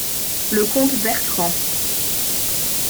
le comte Bertrand.